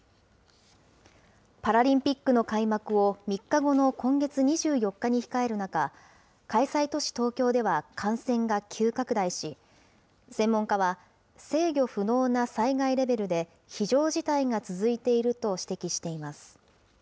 パラリンピックの開幕を３日後の今月２４日に控える中、開催都市、東京では感染が急拡大し、専門家は、制御不能な災害レベルで、非常事態が続いていると指摘しています。